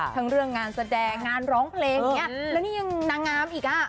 ทั้งเรื่องงานแสดงงานร้องเพลงแล้วนี่ยังนางงามอีก